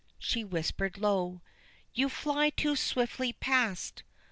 she whispered low, "You fly too swiftly past.